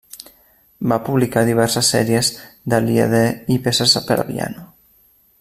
Va publicar diverses sèries de lieder i peces per a piano.